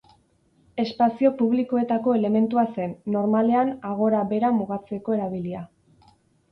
Espazio publikoetako elementua zen, normalean agora bera mugatzeko erabilia.